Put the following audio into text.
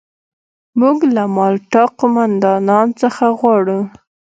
موږ له مالټا قوماندان څخه غواړو.